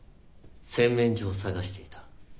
洗面所を探していた。